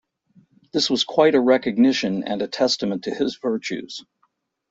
This was quite a recognition and a testament to his virtues.